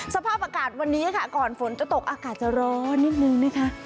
สภาพอากาศวันนี้ค่ะก่อนฝนจะตกอากาศจะร้อนนิดนึงนะคะ